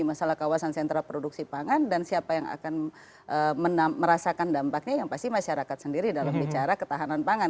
masalah kawasan sentra produksi pangan dan siapa yang akan merasakan dampaknya yang pasti masyarakat sendiri dalam bicara ketahanan pangan